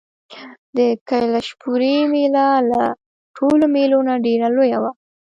د کلشپورې مېله له ټولو مېلو نه ډېره لویه وه.